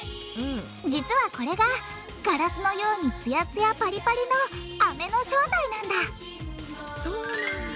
実はこれがガラスのようにつやつやパリパリのアメの正体なんだそうなんだ。